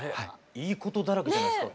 いいことだらけじゃないですか。